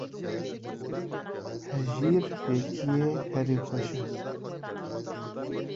Hejîr fêkiya herî xweş e.